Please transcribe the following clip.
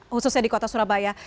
khususnya di kota surabaya